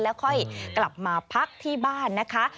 แล้วค่อยกลับมาพักที่บ้านนะคะ